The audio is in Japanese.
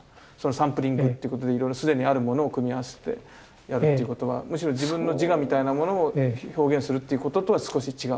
サンプリングっていうことでいろいろ既にあるものを組み合わせてやるっていうことはむしろ自分の自我みたいなものを表現するっていうこととは少し違う。